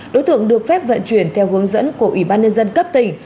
đối tượng được phép vận chuyển theo hướng dẫn của ủy ban nhân dân cấp tỉnh